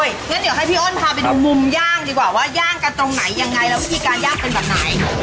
งั้นเดี๋ยวให้พี่อ้นพาไปดูมุมย่างดีกว่าว่าย่างกันตรงไหนยังไงแล้ววิธีการย่างเป็นแบบไหน